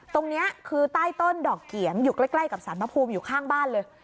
ตรงนี้คือใต้ต้นดอกเกียงอยู่ใกล้กับสารพระภูมิอยู่ข้างบ้านเลย